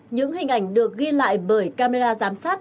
những hình ảnh được ghi lại bởi camera giám sát